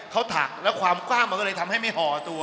เขาถักแล้วความกว้างมันก็เลยทำให้ไม่ห่อตัว